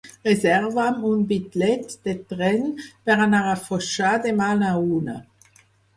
Reserva'm un bitllet de tren per anar a Foixà demà a la una.